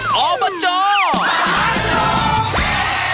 โปรดติดตามตอนต่อไป